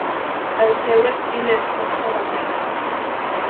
El seu estil és força variat.